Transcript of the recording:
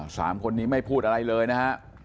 สามคนนี้ไม่พูดอะไรเลยนะฮะ